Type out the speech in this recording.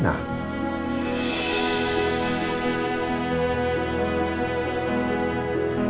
ini kesukaannya rena